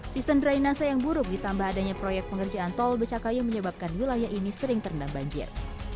sistem drainase yang buruk ditambah adanya proyek pengerjaan tol becakayu menyebabkan wilayah ini sering terendam banjir